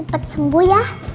uncus cepet sembuh ya